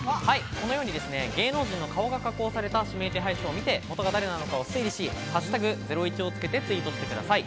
このように、芸能人の顔が加工された指名手配書を見て、元が誰なのかを推理し、「＃ゼロイチ」をつけてツイートしてください。